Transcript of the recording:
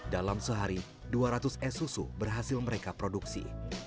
dalam sehari dua ratus es susu berhasil mereka produksi